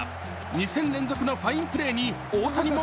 ２戦連続のファインプレーに大谷も